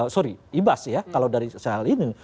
sorry ibas ya kalau dari sel ini